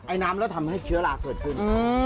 น้ำแล้วทำให้เชื้อลาเกิดขึ้น